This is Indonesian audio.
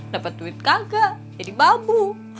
dapat duit kakak jadi babu